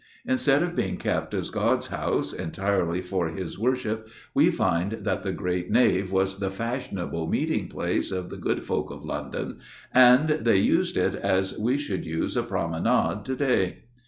Instead of being kept as God's house, entirely for His Worship, we find that the great nave was the fashionable meeting place of the good folk of London, and they used it as we should use a promenade to day.